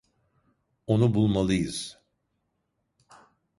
Onu bulmalıyız.